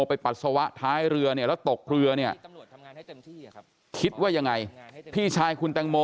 ปัสสาวะท้ายเรือเนี่ยแล้วตกเรือเนี่ยคิดว่ายังไงพี่ชายคุณแตงโม